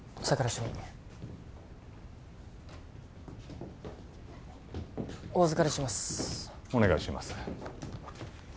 主任お預かりしますお願いします